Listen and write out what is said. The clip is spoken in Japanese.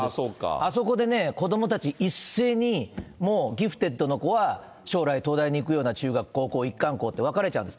あそこで子どもたち、一斉にもうギフテッドの子は、将来東大に行くような中学高校一貫校って分かれちゃうんです。